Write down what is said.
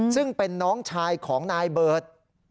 ซึ่งเป็นน้องชายของนายเบิร์ต